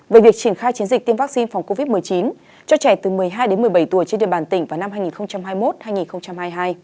về việc triển khai chiến dịch tiêm vaccine phòng covid một mươi chín cho trẻ từ một mươi hai đến một mươi bảy tuổi trên địa bàn tỉnh vào năm hai nghìn hai mươi một hai nghìn hai mươi hai